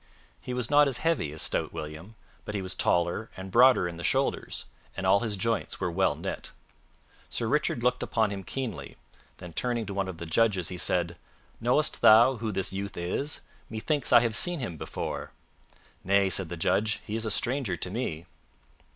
He was not as heavy as stout William, but he was taller and broader in the shoulders, and all his joints were well knit. Sir Richard looked upon him keenly, then, turning to one of the judges, he said, "Knowest thou who this youth is? Methinks I have seen him before." "Nay," said the judge, "he is a stranger to me."